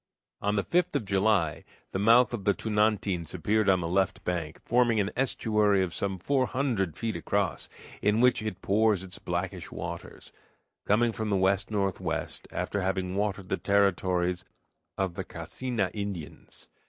On the 5th of July the mouth of the Tunantins appeared on the left bank, forming an estuary of some four hundred feet across, in which it pours its blackish waters, coming from the west northwest, after having watered the territories of the Cacena Indians.